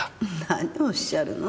何をおっしゃるの？